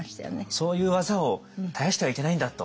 そういう技を絶やしてはいけないんだと。